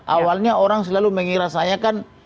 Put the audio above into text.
awalnya orang selalu mengira saya kan